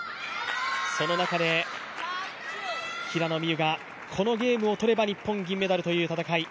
その中で平野美宇がこのゲームを取れば日本銀メダルという戦い。